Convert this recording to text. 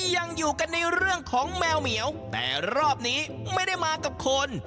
ยังอยู่กันในเรื่องของแมวเหมียวแต่รอบนี้ไม่ได้มากับคน